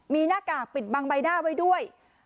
มีหน้ากากปิดบังใบหน้าไว้ด้วย